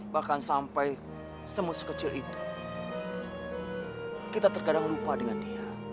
bahkan sampai semut sekecil itu kita terkadang lupa dengan dia